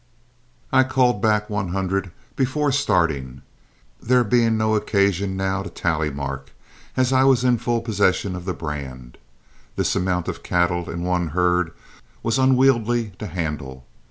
I culled back one hundred before starting, there being no occasion now to tally mark, as I was in full possession of the brand. This amount of cattle in one herd was unwieldy to handle.